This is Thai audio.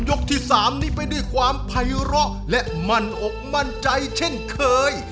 ที่๓นี้ไปด้วยความไพร้อและมั่นอกมั่นใจเช่นเคย